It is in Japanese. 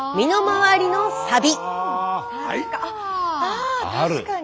あ確かに。